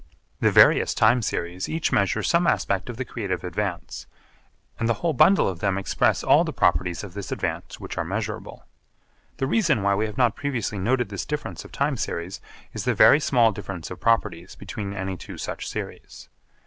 The various time series each measure some aspect of the creative advance, and the whole bundle of them express all the properties of this advance which are measurable. The reason why we have not previously noted this difference of time series is the very small difference of properties between any two such series.